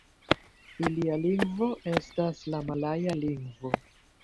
Ilia lingvo estas la malaja lingvo.